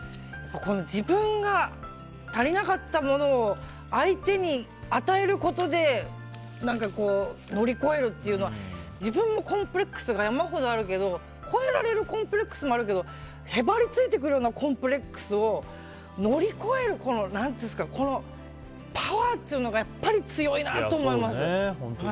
自分が足りなかったものを相手に与えることで乗り越えるっていうのは自分もコンプレックスが山ほどあるけど越えられるコンプレックスもあるけどへばりついてくるようなコンプレックスを乗り越えるパワーというのが強いなと思います。